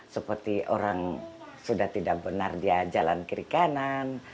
seperti orang sudah tidak benar dia jalan kiri kanan